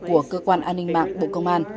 của cơ quan an ninh mạng bộ công an